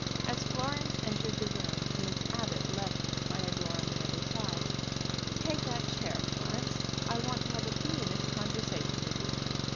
As Florence entered the room Miss Abbott left it by a door on the other side. "Take that chair, Florence. I want to have a few minutes' conversation with you."